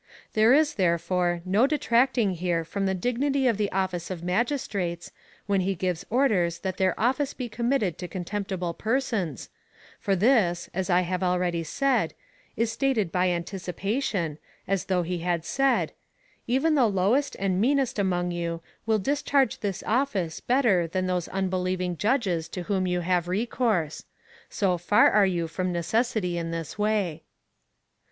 There is, therefore, no detracting here from the dignity of the office of magistrates, Avhen he gives orders that their office be committed to contemptible persons, for this (as I have already said) is stated by anticipation, as though he had said :" Even the lowest and meanest among you will discharge this office better than those unbelieving judges to whom you have recourse. So far are you from necessity in this way."